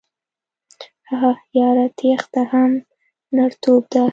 هههههه یاره تیښته هم نرتوب ده